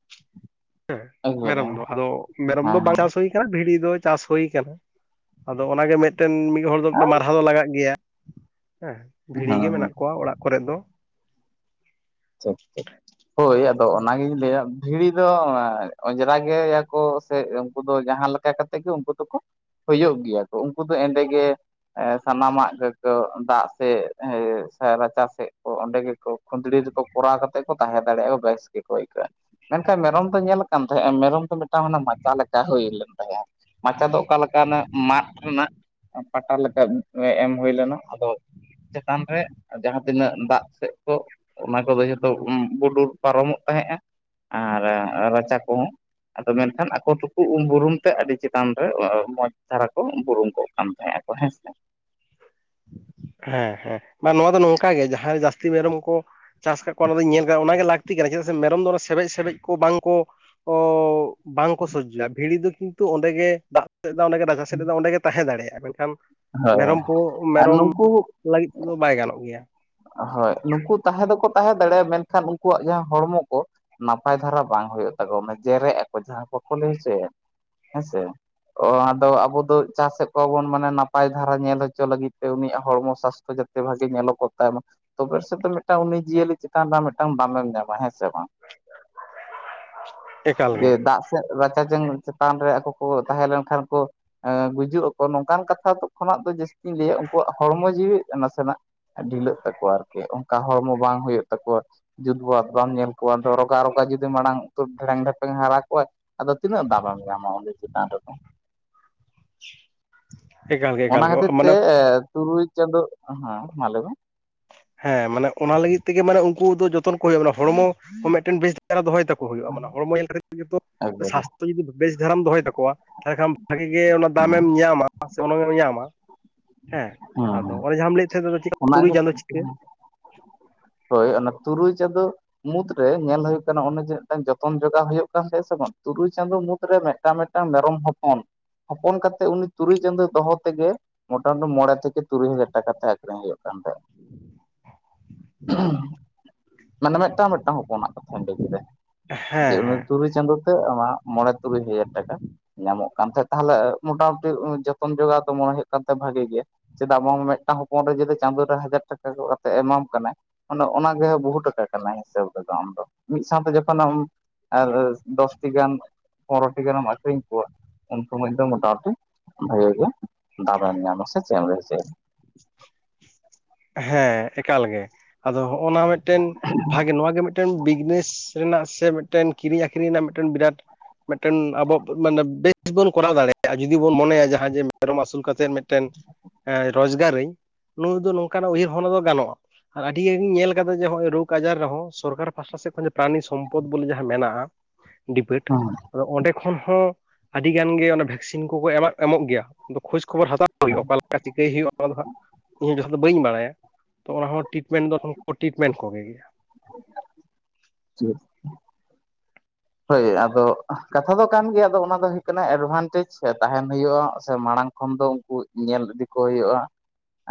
ᱦᱮᱸ ᱮᱠᱵᱟᱨᱮ ᱢᱮᱨᱚᱢ ᱫᱚ ᱟᱫᱚ ᱢᱮᱨᱚᱢ ᱫᱚ ᱦᱮᱸ ᱵᱟᱝ ᱪᱟᱥ ᱦᱩᱭ ᱵᱷᱤᱲᱤ ᱫᱚ ᱪᱟᱥ ᱦᱩᱭ ᱠᱟᱱᱟ, ᱟᱫᱚ ᱚᱱᱟᱜᱮ ᱢᱤᱫᱴᱮᱱ ᱢᱤᱫ ᱦᱚᱲ ᱫᱚ ᱢᱟᱨᱦᱟ ᱫᱚ ᱞᱟᱜᱟᱜ ᱜᱮᱭᱟ᱾ ᱦᱮᱸ ᱵᱷᱤᱲᱤ ᱜᱮ ᱦᱮᱸ ᱢᱮᱱᱟᱜ ᱠᱚᱣᱟ ᱚᱲᱟᱜ ᱠᱚᱨᱮ ᱫᱚ᱾ ᱟᱪᱷᱟ ᱪᱷᱟ ᱦᱳᱭ ᱟᱫᱚ ᱚᱱᱟᱜᱤᱧ ᱞᱟᱹᱭᱟ, ᱵᱷᱤᱲᱤ ᱫᱚ ᱚᱸᱡᱽᱨᱟ ᱜᱮᱭᱟᱠᱚ ᱥᱮ ᱩᱱᱠᱩ ᱫᱚ ᱡᱟᱦᱟᱸ ᱞᱮᱠᱟ ᱠᱟᱛᱮᱮᱫ ᱜᱮ ᱩᱱᱠᱩ ᱫᱚᱠᱚ ᱦᱩᱭᱩᱜ ᱜᱮᱭᱟ ᱠᱚ, ᱩᱱᱠᱩ ᱫᱚ ᱮᱸᱰᱮᱜ ᱜᱮ ᱮ ᱥᱟᱱᱟᱢᱟᱜ ᱜᱮᱠᱚ ᱫᱟᱜ ᱥᱮᱜ ᱥᱮ ᱨᱟᱪᱟᱥᱮᱜ ᱠᱚ ᱚᱸᱰᱮ ᱜᱮᱠᱚ ᱠᱷᱩᱸᱫᱽᱲᱤ ᱨᱮᱠᱚ ᱠᱚᱨᱟᱣ ᱠᱟᱛᱮ ᱠᱚ ᱛᱟᱦᱮᱸ ᱫᱟᱲᱮᱭᱟᱜᱼᱟ ᱵᱮᱥ ᱜᱮᱠᱚ ᱟᱹᱭᱠᱟᱹᱜᱼᱟ᱾ ᱢᱮᱱᱠᱷᱟᱱ ᱢᱮᱨᱚᱢ ᱫᱚ ᱧᱮᱞ ᱠᱟᱱ ᱛᱟᱦᱮᱸᱜᱼᱟ ᱢᱮᱨᱚᱢ ᱫᱚ ᱢᱤᱫᱴᱟᱝ ᱚᱱᱮ ᱢᱟᱪᱟ ᱞᱮᱠᱟ ᱦᱩᱭ ᱞᱮᱱ ᱛᱟᱦᱮᱸᱜᱼᱟ᱾ ᱢᱟᱪᱟ ᱫᱚ ᱚᱠᱟ ᱞᱮᱠᱟ ᱚᱱᱮ ᱢᱟᱫ ᱨᱮᱱᱟᱜ ᱯᱟᱴᱟ ᱞᱮᱠᱟ ᱮᱢ ᱦᱩᱭ ᱞᱮᱱᱟ, ᱟᱫᱚ ᱪᱮᱛᱟᱱ ᱨᱮ ᱡᱟᱦᱟᱸ ᱛᱤᱱᱟᱹᱜ ᱫᱟᱜ ᱥᱮᱜ ᱠᱚ ᱚᱱᱟ ᱠᱚᱫᱚ ᱡᱷᱚᱛᱚ ᱵᱩᱰᱩᱨ ᱯᱟᱨᱚᱢᱚᱜ ᱛᱟᱦᱮᱸᱜᱼᱟ, ᱟᱨ ᱨᱟᱪᱟ ᱠᱚᱦᱚᱸ ᱟᱫᱚ ᱢᱮᱱᱠᱷᱟᱱ ᱟᱠᱚ ᱫᱚᱠᱚ ᱩᱢ ᱵᱩᱨᱩᱢ ᱛᱮ ᱟᱹᱰᱤ ᱪᱮᱛᱟᱱ ᱨᱮ ᱢᱚᱸᱡ ᱫᱷᱟᱨᱟ ᱠᱚ ᱵᱩᱨᱩᱢ ᱠᱚᱜ ᱠᱟᱱ ᱛᱟᱦᱮᱸ ᱟᱠᱚ ᱦᱮᱸᱥᱮ᱾ ᱦᱮᱸ ᱦᱮᱸ ᱵᱟ ᱱᱚᱣᱟ ᱫᱚ ᱱᱚᱝᱠᱟ ᱜᱮ ᱡᱟᱦᱟᱸᱭ ᱡᱟᱹᱥᱛᱤ ᱢᱮᱨᱚᱢ ᱠᱚ ᱪᱟᱥ ᱠᱟᱜ ᱠᱚᱣᱟ ᱚᱱᱟ ᱫᱚᱧ ᱧᱮᱞ ᱠᱟᱜ ᱚᱱᱟᱜᱮᱟᱹᱠᱛᱤ ᱠᱟᱱᱟ ᱪᱮᱫᱟᱜ ᱥᱮ ᱢᱮᱨᱚᱢ ᱫᱚ ᱚᱱᱟ ᱥᱮᱵᱮᱡ ᱥᱮᱵᱮᱡ ᱠᱚ ᱵᱟᱝ ᱠᱚ ᱚ ᱵᱟᱝᱠᱚ ᱥᱚᱡᱡᱚᱭᱟ ᱵᱷᱤᱲᱤ ᱫᱚ ᱠᱤᱱᱛᱩ ᱚᱸᱰᱮ ᱜᱮ ᱫᱟᱜ ᱥᱮᱫ ᱫᱟ ᱚᱸᱰᱮ ᱜᱮ ᱨᱟᱪᱟ ᱥᱮᱫ ᱫᱟ ᱚᱸᱰᱮᱜᱮ ᱛᱟᱦᱮᱸ ᱫᱟᱲᱮᱭᱟᱜᱼᱟ, ᱢᱮᱱᱠᱷᱟᱱ ᱦᱳᱭ ᱢᱮᱨᱚᱢ ᱠᱚ ᱟᱨ ᱢᱮᱨᱚᱢ ᱱᱩᱝᱠᱩ ᱞᱟᱹᱜᱤᱫ ᱛᱮᱫᱚ ᱵᱟᱭ ᱜᱟᱱᱚᱜ ᱜᱮᱭᱟ᱾ ᱦᱳᱭ ᱱᱩᱠᱩ ᱛᱟᱦᱮᱸ ᱫᱚᱠᱚ ᱛᱟᱦᱮᱸ ᱫᱟᱲᱮᱭᱟᱜᱼᱟ, ᱢᱮᱱᱠᱷᱟᱱ ᱩᱱᱠᱩᱣᱟᱜ ᱡᱟᱦᱟᱸ ᱦᱚᱲᱢᱚ ᱠᱚ ᱱᱟᱯᱟᱭ ᱫᱷᱟᱨᱟ ᱵᱟᱝ ᱦᱩᱭᱩᱜ ᱛᱟᱠᱚᱣᱟ ᱢᱟᱱᱮ ᱡᱮᱨᱮᱜ ᱟᱠᱚ ᱡᱟᱦᱟᱸ ᱠᱚ ᱵᱟᱠᱚ ᱞᱮᱭᱟ ᱡᱮ ᱦᱮᱸᱥᱮ᱾ ᱚ ᱟᱫᱚ ᱟᱵᱚ ᱫᱚ ᱪᱟᱥᱮᱫ ᱠᱚᱣᱟ ᱵᱚᱱ ᱢᱟᱱᱮ ᱱᱟᱯᱟᱭ ᱫᱷᱟᱨᱟ ᱧᱮᱞ ᱦᱚᱪᱚ ᱞᱟᱹᱜᱤᱫ ᱛᱮ ᱩᱱᱤᱭᱟᱜ ᱦᱚᱲᱢᱚ ᱥᱟᱥᱥᱛᱚ ᱡᱟ ᱛᱮ ᱵᱷᱟᱜᱮ ᱧᱮᱞᱚᱜ ᱠᱚᱜ ᱛᱟᱭᱢᱟ ᱛᱚᱵᱮ ᱥᱮᱫᱚ ᱢᱤᱫᱴᱟᱝ ᱩᱱᱤ ᱡᱤᱭᱟᱹᱞᱤ ᱪᱮᱛᱟᱱ ᱨᱮ ᱢᱤᱫᱴᱟᱝ ᱫᱟᱢᱮᱢ ᱧᱟᱢᱟ ᱦᱮᱸᱥᱮ ᱵᱟᱝ? ᱮᱠᱟᱞ ᱡᱮ ᱜᱮ ᱫᱟᱜ ᱥᱮᱜ ᱨᱟᱪᱟ ᱡᱚᱝ ᱪᱮᱛᱟᱱ ᱨᱮ ᱟᱠᱚ ᱠᱚ ᱛᱟᱦᱮᱸ ᱞᱮᱱᱠᱷᱟᱱ ᱠᱚ ᱮᱸ ᱜᱩᱡᱩᱜ ᱟᱠᱚ ᱱᱚᱝᱠᱟᱱ ᱠᱟᱛᱷᱟ ᱠᱷᱚᱱᱟᱜ ᱫᱚ ᱡᱟᱹᱥᱛᱤᱧ ᱞᱟᱹᱭᱟ ᱩᱱᱠᱩᱣᱟᱜ ᱦᱚᱲᱢᱚ ᱡᱤᱣᱤ ᱱᱟᱥᱮᱱᱟᱜ ᱰᱷᱤᱞᱟᱹᱜ ᱛᱟᱠᱚᱣᱟ ᱟᱨᱠᱤ, ᱚᱝᱠᱟ ᱦᱚᱲᱢᱚ ᱵᱟᱝ ᱦᱩᱭᱩᱜ ᱛᱟᱠᱚᱣᱟ᱾ ᱡᱩᱛ ᱵᱚᱨᱟᱛ ᱵᱟᱢ ᱧᱮᱞ ᱠᱚᱣᱟ ᱫᱚ ᱨᱚᱜᱟ ᱨᱚᱜᱟ ᱡᱩᱫᱤ ᱢᱟᱲᱟᱝ ᱩᱛᱟᱹᱨ ᱰᱷᱮᱲᱮᱝ ᱰᱷᱮᱯᱮᱝ ᱦᱟᱨᱟ ᱠᱚᱣᱟ ᱟᱫᱚ ᱛᱤᱱᱟᱹᱜ ᱫᱟᱢᱮᱢ ᱧᱟᱢᱟ ᱩᱱᱤ ᱪᱮᱛᱟᱱ ᱨᱮᱫᱚ? [inaudible] ᱮᱠᱟᱞ ᱜᱮ ᱚᱱᱟ ᱮᱠᱟᱞ ᱜᱮ ᱠᱷᱟᱹᱛᱤᱨ ᱛᱮ ᱢᱟᱱᱮ ᱛᱩᱨᱩᱭ ᱪᱟᱸᱫᱚᱳ ᱦᱮᱸ ᱢᱟ ᱞᱟᱹᱭ ᱢᱮ᱾ ᱦᱮᱸ ᱢᱟᱱᱮ ᱚᱱᱟ ᱞᱟᱹᱜᱤᱫ ᱛᱮᱜᱮ ᱢᱟᱱᱮ ᱩᱝᱠᱩ ᱫᱚ ᱡᱚᱛᱚᱱ ᱠᱚ ᱦᱩᱭᱩᱜᱼᱟ, ᱢᱟᱱ ᱦᱚᱲᱢᱚ ᱢᱤᱫᱴᱮᱱ ᱵᱮᱥ ᱫᱟᱨᱟ ᱫᱚᱦᱚᱭ ᱛᱟ ᱠᱚ ᱦᱩᱭᱩᱜᱼᱟ ᱢᱟᱱᱮ ᱦᱚᱲᱢᱚ ᱧᱮᱞ ᱠᱟᱛᱮ ᱜᱮᱛᱚ ᱮᱠᱵᱟᱨᱮ ᱥᱟᱥᱛᱷᱚ ᱡᱩᱚᱫᱤ ᱵᱮᱥ ᱫᱷᱟᱨᱟᱢ ᱫᱚᱦᱚᱭ ᱛᱟᱠᱚᱣᱟ, ᱛᱟᱦᱚᱞᱮ ᱠᱷᱟᱱ ᱵᱷᱟᱜᱤ ᱜᱮ ᱚᱱᱟ ᱦᱮᱸ ᱫᱟᱢᱮᱢ ᱧᱟᱢᱟ᱾ [unintelligible] ᱩᱱᱟᱝᱮᱢ ᱧᱟᱢᱟ ᱦᱮᱸ ᱟᱫᱚ ᱚᱱᱮ ᱡᱟᱦᱟᱸᱢ ᱞᱟᱹᱭᱮᱫ ᱛᱟᱦᱮᱸ ᱪᱤᱠᱟ ᱚᱱᱟ ᱦᱳᱭ ᱚᱱᱟ ᱛᱩᱨᱩᱭ ᱪᱟᱸᱫᱚ ᱢᱩᱫᱽᱨᱮ ᱧᱮᱞ ᱦᱩᱭᱩᱜ ᱠᱟᱱᱟ ᱚᱱᱮ ᱡᱮ ᱢᱩᱫᱽ ᱢᱩᱫᱽ ᱨᱮ ᱧᱮᱞ ᱦᱩᱭᱩᱜ ᱠᱟᱱᱟ ᱚᱱᱮ ᱡᱮ ᱢᱤᱫᱴᱟᱝ ᱡᱚᱛᱚᱱ ᱡᱚᱜᱟᱣ ᱦᱩᱭᱩᱜ ᱠᱟᱱ ᱛᱟᱦᱮᱸ ᱥᱮ ᱵᱟᱝ ᱛᱩᱨᱩᱭ ᱪᱟᱸᱫᱳ ᱢᱩᱫᱽᱨᱮ ᱢᱤᱫᱴᱟᱝ ᱢᱤᱫᱴᱟᱝ ᱢᱮᱨᱚᱢ ᱦᱚᱯᱚᱱ ᱦᱚᱯᱚᱱ ᱠᱟᱛᱮ ᱩᱱᱤ ᱛᱩᱨᱩᱭ ᱪᱟᱸᱫᱚ ᱫᱚᱦᱚ ᱛᱮᱜᱮ ᱢᱚᱴᱟᱢᱩᱴᱤ ᱢᱚᱬᱮ ᱛᱷᱮᱠᱮ ᱛᱩᱨᱩᱭ ᱦᱟᱡᱟᱨ ᱴᱟᱠᱟ ᱛᱮ ᱟᱠᱷᱨᱤᱧ ᱦᱩᱭᱩᱜ ᱠᱟᱱ ᱛᱟᱭᱟ ᱢᱟᱱᱮ ᱢᱤᱫᱴᱟᱝ ᱢᱤᱫᱴᱟᱝ ᱦᱚᱯᱚᱱᱟᱜ ᱠᱟᱛᱷᱟᱧ ᱞᱟᱹᱭ ᱠᱮᱫᱟ ᱦᱮᱸ ᱡᱮ ᱩᱱᱤ ᱦᱮᱸ ᱛᱩᱭ ᱨᱳᱭ ᱪᱟᱸᱫᱳ ᱛᱮ ᱟᱢᱟᱜ ᱢᱚᱬᱮ ᱛᱩᱨᱩᱭ ᱦᱟᱡᱟᱨ ᱴᱟᱠᱟ ᱧᱟᱢᱚᱜ ᱠᱟᱱ ᱛᱟᱦᱮᱸᱫ ᱛᱟᱦᱚᱞᱮ ᱢᱚᱴᱟᱢᱩᱴᱤ ᱡᱚᱛᱚᱱ ᱡᱚᱜᱟᱣ ᱫᱚ ᱢᱚᱱᱮ ᱦᱩᱭᱩᱜ ᱠᱟᱱ ᱛᱟᱦᱮᱸ ᱵᱷᱟᱜᱮ ᱜᱮᱭᱟ ᱪᱮᱫᱟᱜ ᱵᱟᱝ ᱢᱤᱫᱴᱟᱝ ᱦᱚᱯᱚᱱ ᱨᱮ ᱡᱩᱫᱤ ᱪᱟᱸᱫᱳ ᱨᱮ ᱦᱟᱡᱟᱨ ᱴᱟᱠᱟ ᱠᱚ ᱠᱟᱛᱮ ᱮᱢᱟᱢ ᱠᱟᱱᱟᱭ ᱢᱟᱱᱮ ᱚᱱᱟᱜᱮ ᱵᱚᱦᱩ ᱴᱟᱠᱟ ᱠᱟᱱᱟ ᱦᱤᱥᱟᱹᱵᱽ ᱨᱮᱫᱚ ᱟᱢ ᱫᱚ ᱢᱤᱫ ᱥᱟᱶᱛᱮ ᱡᱚᱠᱷᱚᱱ ᱟᱢ ᱟᱨ ᱫᱚᱥᱴᱤ ᱜᱟᱱ ᱯᱚᱱᱨᱚᱴᱤ ᱜᱟᱱᱮᱢ ᱟᱹᱠᱷᱨᱤᱧ ᱠᱚᱣᱟ᱾ ᱩᱱᱠᱩ ᱢᱤᱫ ᱫᱚᱢ ᱢᱳᱚᱴᱟᱢᱩᱴᱤ ᱵᱷᱟᱜᱮ ᱜᱮ ᱫᱟᱢᱮᱢ ᱧᱟᱢᱟ ᱥᱮ ᱪᱮᱫ ᱮᱢ ᱞᱟᱹᱭ ᱦᱳᱪᱳᱭᱟ? ᱦᱮᱸ ᱮᱠᱟᱞ ᱜᱮ᱾ ᱟᱫᱚ ᱦᱚᱜᱼᱚᱱᱟ ᱢᱤᱫ ᱢᱤᱫᱴᱮᱱ ᱵᱷᱟᱜᱮ ᱱᱚᱣᱟ ᱜᱮ ᱢᱤᱫᱴᱮᱱ ᱵᱤᱡᱽᱱᱮᱥ ᱨᱮᱱᱟᱜ ᱥᱮ ᱢᱤᱫᱴᱮᱱ ᱠᱤᱨᱤᱧ ᱟᱠᱷᱨᱤᱧ ᱨᱮᱱᱟᱜ ᱢᱤᱫᱴᱮᱱ ᱵᱤᱨᱟᱴ ᱢᱤᱫᱴᱮᱱ ᱟᱵᱚ ᱢᱟᱱᱮ ᱵᱮᱥ ᱤᱥ ᱵᱚᱱ ᱠᱚᱨᱟᱣ ᱫᱟᱲᱮᱭᱟᱜᱼᱟ ᱡᱩᱫᱤ ᱵᱚᱱ ᱢᱚᱱᱮᱭᱟ ᱡᱟᱦᱟᱸ ᱡᱮ ᱢᱮᱨᱚᱢ ᱟᱹᱥᱩᱞ ᱠᱟᱛᱮᱫ ᱢᱤᱫᱴᱮᱱ ᱨᱳᱡᱽᱜᱟᱨᱤᱧ ᱱᱩᱭ ᱫᱚ ᱱᱚᱝᱠᱟᱱᱟᱜ ᱩᱭᱦᱟᱹᱨ ᱵᱷᱟᱵᱽᱱᱟ ᱫᱚ ᱜᱟᱱᱚᱜᱼᱟ᱾ ᱟᱨ ᱟᱹᱰᱤ ᱜᱟᱱ ᱜᱤᱧ ᱧᱮᱞ ᱟᱠᱟᱫᱟ ᱡᱮ ᱱᱚᱜ ᱚᱭ ᱨᱳᱜᱽ ᱟᱡᱟᱨ ᱨᱮᱦᱚᱸ ᱥᱚᱨᱠᱟᱨ ᱯᱟᱥᱴᱟ ᱥᱮᱫ ᱠᱷᱚᱱ ᱯᱨᱟᱱᱤ ᱥᱚᱢᱯᱚᱫ ᱵᱚᱞᱮ ᱡᱟᱦᱟᱸ ᱢᱮᱱᱟᱜᱼᱟ᱾ [inaudible] ᱰᱤᱵᱮᱴ ᱦᱮᱸ [unintelligible] ᱟᱫᱚ ᱚᱸᱰᱮ ᱠᱷᱚᱱ ᱦᱚᱸ ᱟᱹᱰᱤ ᱜᱟᱱ ᱜᱮ ᱚᱱᱟ ᱵᱷᱮᱠᱥᱤᱱ ᱠᱚᱠᱚ ᱮᱢᱚᱜ ᱜᱮᱭᱟ ᱠᱷᱳᱡᱽ ᱠᱷᱚᱵᱚᱨ ᱦᱟᱛᱟᱣ ᱦᱩᱭᱩᱜ ᱦᱮᱸ ᱚᱠᱟ ᱞᱮᱠᱟ ᱪᱤᱠᱟᱹᱭ ᱦᱩᱭᱩᱜᱼᱟ ᱚᱱᱟ ᱫᱚ ᱦᱟᱸᱜ ᱤᱧ ᱡᱚᱠᱷᱚᱱ ᱵᱟᱹᱧ ᱵᱟᱲᱟᱭᱟ ᱛᱚ ᱚᱱᱟ ᱦᱚᱸ ᱴᱤᱴᱢᱮᱱᱴ ᱫᱚ ᱛᱠᱷᱚᱱ ᱴᱤᱴᱢᱮᱱᱴ ᱠᱚᱜᱮ ᱜᱮᱭᱟ [unintelligible] ᱦᱳᱭ ᱟᱫᱚ ᱠᱟᱛᱷᱟ ᱫᱚ ᱠᱟᱱ ᱜᱮᱭᱟ ᱟᱫᱚ ᱚᱱᱟ ᱫᱚ ᱦᱩᱭᱩᱜ ᱠᱟᱱᱟ ᱮᱰᱵᱷᱟᱱᱴᱮᱡᱽ ᱛᱟᱦᱮᱱ ᱦᱩᱭᱩᱜᱼᱟ ᱥᱮ ᱢᱟᱲᱟᱝ ᱛᱚᱠᱷᱚᱱ ᱫᱚ ᱩᱱᱠᱩ ᱧᱮᱞ ᱤᱫᱤ ᱠᱚ ᱦᱩᱭᱩᱜᱼᱟ᱾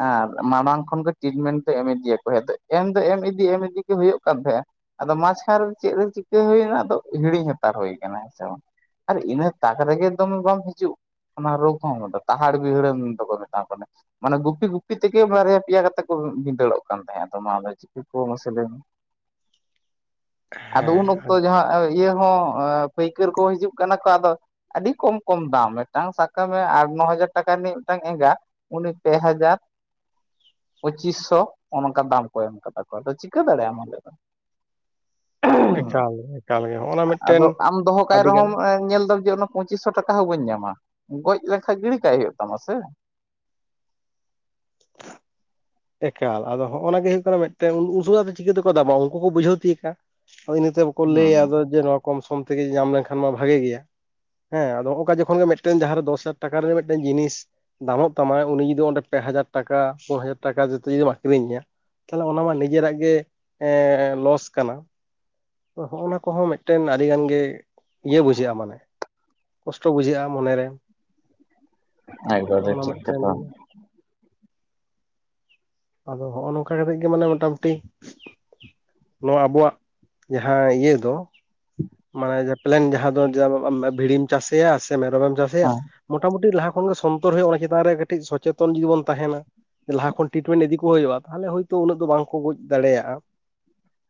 ᱟᱨ ᱢᱟᱲᱟᱝ ᱠᱷᱚᱱᱟᱜ ᱴᱨᱤᱴᱢᱮᱱᱴ ᱫᱚ ᱮᱢ ᱤᱫᱤᱭᱟᱠᱚ ᱮᱢ ᱫᱚ ᱮᱢ ᱤᱫᱤ ᱮᱢ ᱤᱫᱤ ᱜᱮ ᱦᱩᱭᱩᱜ ᱠᱟᱱ ᱛᱟᱦᱮᱸᱫᱼᱟ᱾ ᱟᱫᱚ ᱢᱟᱪᱟᱨ ᱪᱮᱫ ᱨᱮ ᱪᱤᱠᱟᱹ ᱦᱩᱭᱱᱟ ᱟᱫᱚ ᱦᱤᱲᱤᱧ ᱦᱟᱛᱟᱲ ᱦᱩᱭ ᱟᱠᱟᱱᱟ ᱦᱮᱸ ᱥᱮ ᱵᱟᱝ? ᱟᱨ ᱤᱱᱟᱹ ᱛᱟᱠ ᱨᱮᱜᱮ ᱫᱚᱢᱮ ᱵᱟᱢ ᱦᱤᱡᱩᱜ ᱚᱱᱟ ᱨᱳᱜᱽ ᱦᱚᱸ ᱛᱟᱦᱟᱲ ᱵᱤᱦᱤᱲᱮᱢ ᱫᱚᱠᱚ ᱢᱮᱛᱟᱜ ᱠᱟᱱᱟ ᱢᱟᱱᱮ ᱜᱩᱯᱤ ᱜᱩᱯᱤ ᱛᱮᱜᱮ ᱵᱟᱨᱭᱟ ᱯᱮᱭᱟ ᱠᱟᱛᱮ ᱠᱚ ᱵᱷᱤᱸᱫᱟᱹᱲᱚᱜ ᱠᱟᱱ ᱛᱟᱦᱮᱸᱫ ᱟᱫᱚ ᱱᱚᱣᱟ ᱢᱟᱥᱮ ᱞᱟᱹᱭ ᱢᱮ [unintelligible] ᱟᱫᱚ ᱩᱱ ᱦᱮᱸ ᱚᱠᱛᱚ ᱡᱟᱦᱟᱸ ᱤᱭᱟᱹ ᱦᱚᱸ ᱯᱟᱹᱭᱠᱟᱹᱨ ᱠᱚ ᱦᱤᱡᱩᱜ ᱠᱟᱱᱟ ᱠᱚ ᱟᱫᱚ ᱟᱹᱰᱤ ᱠᱚᱢ ᱠᱚᱢ ᱫᱟᱢ ᱢᱤᱫᱴᱟᱝ ᱥᱟᱵ ᱠᱟᱜ ᱢᱮ ᱟᱴ ᱱᱚ ᱦᱟᱡᱟᱨ ᱴᱟᱠᱟ ᱨᱤᱱᱤᱡ ᱢᱤᱫᱴᱟᱝ ᱮᱝᱜᱟ᱾ ᱩᱱᱤ ᱯᱮ ᱦᱟᱡᱟᱨ ᱯᱚᱪᱤᱥ ᱥᱳ ᱳᱱᱠᱟ ᱫᱟᱢ ᱠᱚ ᱮᱢ ᱠᱟᱫᱟ ᱠᱚ ᱟᱫᱚ ᱪᱤᱠᱟᱹ ᱫᱟᱲᱮᱭᱟᱜ ᱟᱢ ᱚᱸᱰᱮ ᱫᱚ [inaudible] ᱮᱠᱟᱞ ᱜᱮ ᱮᱠᱟᱞ ᱜᱮ ᱦᱚᱸᱜᱼᱚ ᱱᱟ ᱢᱤᱫᱴᱮᱱ ᱟᱫᱚ ᱟᱢ ᱫᱚᱦᱚ ᱠᱟᱭ ᱟᱹᱰᱤᱜᱟᱱ ᱨᱮᱦᱚᱸᱢ ᱧᱮᱞᱫᱟᱢ ᱡᱮ ᱯᱚᱸᱪᱤᱥ ᱥᱳ ᱴᱟᱠᱟ ᱦᱚᱸ ᱵᱟᱹᱧ ᱧᱟᱢᱟ ᱜᱚᱡ ᱞᱮᱠᱷᱟᱡ ᱜᱤᱲᱤ ᱠᱟᱭ ᱦᱩᱭᱩᱜ ᱛᱟᱢᱟ ᱥᱮ ᱮᱠᱟᱞ ᱟᱫᱚ ᱦᱚᱜᱼᱚᱱᱟ ᱜᱮ ᱦᱩᱭᱩᱜᱜ ᱠᱟᱱᱟ ᱢᱤᱫᱴᱮᱱ ᱩᱥᱩᱣᱟᱜ ᱛᱮ ᱪᱤᱠᱟᱹᱛᱮᱠᱚ ᱫᱟᱢᱟ ᱩᱱᱠᱩ ᱠᱚ ᱵᱩᱡᱷᱟᱹᱣ ᱛᱤᱭᱳᱜᱽ ᱠᱷᱟᱱ? ᱦᱳᱭ ᱤᱱᱟᱹᱛᱮ ᱵᱟᱠᱚ ᱞᱟᱹᱭᱟ ᱦᱩᱸ ᱡᱮ ᱱᱚᱣᱟ ᱠᱚᱢ ᱥᱚᱢ ᱛᱮᱜᱮ ᱧᱟᱢ ᱞᱮᱱᱠᱷᱟᱱ ᱢᱟ ᱵᱷᱟᱜᱮ ᱜᱮᱭᱟ᱾ ᱦᱮᱸ ᱟᱫᱚ ᱦᱚᱸᱜᱼᱚᱠᱟ ᱡᱚᱠᱷᱚᱱ ᱜᱮ ᱢᱤᱫᱴᱮᱱ ᱡᱟᱦᱟᱸᱨᱮ ᱫᱚᱥ ᱦᱟᱡᱟᱨ ᱴᱟᱠᱟ ᱨᱮᱱᱟᱜ ᱢᱤᱫᱴᱮᱱ ᱡᱤᱱᱤᱥ ᱫᱟᱢᱚᱜ ᱛᱟᱢᱟᱭ ᱩᱱᱤ ᱫᱚ ᱚᱸᱰᱮ ᱯᱮ ᱦᱟᱡᱟᱨ ᱴᱟᱠᱟ ᱯᱩᱱ ᱦᱟᱡᱟᱨ ᱴᱟᱠᱟ ᱡᱩᱫᱤᱢ ᱟᱠᱷᱨᱤᱧᱮᱭᱟ ᱛᱟᱦᱚᱞᱮ ᱚᱱᱟ ᱢᱟ ᱱᱤᱡᱮᱨᱟᱜ ᱜᱮ ᱞᱚᱥ ᱠᱟᱱᱟ ᱦᱚᱜᱱᱟ ᱠᱚᱦᱚᱸ ᱢᱤᱫᱴᱮᱱ ᱟᱹᱰᱤ ᱜᱟᱱ ᱜᱮ ᱤᱭᱟᱹ ᱵᱩᱡᱷᱟᱹᱜᱼᱟ ᱢᱟᱱᱮ ᱠᱚᱥᱴᱚ ᱵᱩᱡᱷᱟᱹᱜᱼᱟ ᱢᱚᱱᱮᱨᱮ ᱱᱚᱜ ᱮᱠᱵᱟᱨᱮ ᱱᱟ ᱴᱷᱤᱠ ᱢᱮᱜᱴᱮᱱ ᱠᱟᱛᱷᱟ ᱟᱫᱚ ᱦᱚᱸᱜ ᱱᱚᱝᱠᱟ ᱠᱟᱛᱮᱜ ᱜᱮ ᱢᱟᱱᱮ ᱢᱚᱴᱟᱢᱩᱴᱤ ᱱᱚᱣᱟ ᱟᱵᱚᱣᱟᱜ ᱡᱟᱦᱟᱸ ᱤᱭᱟᱹ ᱫᱚ [inaudible] ᱢᱟᱱᱮ ᱡᱮ ᱯᱮᱞᱮᱱ ᱡᱟᱦᱟᱸ ᱫᱚ ᱵᱷᱤᱲᱤᱢ ᱪᱟᱥᱮᱭᱟ ᱥᱮ ᱢᱮᱨᱚᱢᱮᱢ ᱪᱟᱥᱮᱭᱟ ᱢᱚᱴᱟᱢᱩᱴᱤ ᱞᱟᱦᱟ ᱠᱷᱚᱱᱜᱮ ᱥᱚᱱᱛᱚᱨ ᱦᱩᱭᱩᱜᱜᱼᱟ ᱚᱱᱟ ᱪᱮᱛᱟᱱ ᱨᱮ ᱠᱟᱹᱴᱤᱡ ᱥᱚᱪᱮᱛᱚᱱ ᱡᱩᱫᱤ ᱵᱚᱱ ᱛᱟᱦᱮᱱᱟ ᱞᱟᱦᱟ ᱠᱷᱚᱱ ᱴᱤᱴᱢᱮᱱᱴ ᱤᱫᱤ ᱠᱚ ᱦᱩᱭᱩᱜᱼᱟ, ᱛᱟᱦᱞᱮ ᱦᱳᱭᱛᱳ ᱩᱱᱟᱹᱜ ᱫᱚ ᱵᱟᱝ ᱠᱚ ᱜᱚᱡ ᱫᱟᱲᱮᱭᱟᱜᱼᱟ,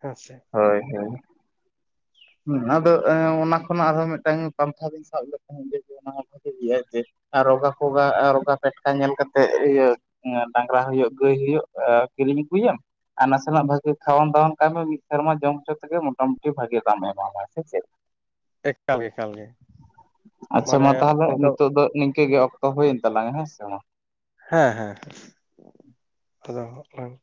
ᱦᱮᱸᱥᱮ, ᱦᱳᱭ ᱦᱳᱭ ᱦᱮᱸ ᱟᱫᱚ ᱚᱱᱟ ᱠᱷᱚᱱᱟᱜ ᱟᱨᱦᱚᱸ ᱢᱤᱫᱴᱟᱝ ᱯᱟᱱᱛᱷᱟ ᱵᱤᱱ ᱥᱟᱵ ᱞᱮᱠᱷᱟᱱ ᱵᱷᱟᱹᱜᱤ ᱦᱩᱭᱩᱜᱼᱟ ᱡᱮ ᱟᱨ ᱨᱚᱜᱟ ᱯᱷᱚᱜᱟ ᱨᱚᱜᱟ ᱯᱷᱮᱴᱠᱟ ᱧᱮᱞ ᱠᱟᱛᱮ ᱤᱭᱟᱹ ᱦᱮᱸ ᱰᱟᱝᱨᱟ ᱦᱳᱳᱜ ᱜᱟᱹᱭ ᱦᱳᱜ ᱠᱤᱨᱤᱧ ᱟᱹᱜᱩᱭᱮᱢ ᱟᱨ ᱱᱟᱥᱮᱱᱟᱜ ᱵᱷᱟᱜᱤ ᱠᱷᱟᱣᱟᱟᱱ ᱫᱟᱣᱟᱱ ᱠᱟᱭᱢᱮ ᱢᱤᱫ ᱥᱮᱨᱢᱟ ᱡᱚᱢ ᱦᱚᱪᱚ ᱛᱮᱜᱮ ᱢᱚᱴᱟᱢᱩᱴᱤ ᱵᱷᱟᱜᱤ ᱫᱟᱢᱮ ᱮᱢᱟᱢᱟ ᱥᱮ ᱪᱮᱫ ᱮᱠᱟᱞ ᱜᱮ ᱮᱠᱟᱞ ᱜᱮ ᱟᱪᱷᱟ ᱢᱟᱱᱮ ᱢᱟ ᱛᱟᱦᱞᱮ ᱚᱱᱠᱟ ᱱᱤᱛᱳᱜ ᱫᱚ ᱱᱤᱝᱠᱟᱹ ᱜᱮ ᱚᱠ ᱛᱚ ᱦᱩᱭᱮᱱ ᱛᱟᱞᱟᱝᱟ ᱦᱮᱸ ᱥᱮ ᱢᱟ, ᱦᱮᱸ ᱦᱮᱸ ᱦᱮᱸ ᱟᱨᱚ ᱦᱟᱸᱜ ᱞᱟᱝ